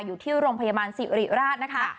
อยู่ที่โรงพยาบาลสิริราชนะคะ